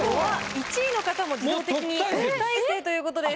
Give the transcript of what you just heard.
１位の方も自動的に特待生ということです。